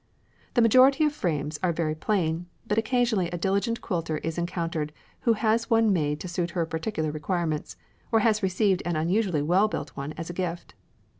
The majority of frames are very plain, but occasionally a diligent quilter is encountered who has one made to suit her particular requirements, or has received an unusually well built one as a gift.